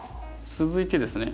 続いてですね。